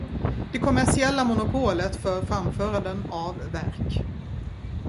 Det kommersiella monopolet för framföranden av verk.